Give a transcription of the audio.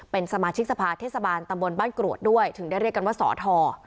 เป็นสมาชิกสภาเทศบาลตำบลบ้านกรวดด้วยถึงได้เรียกกันว่าสอทอ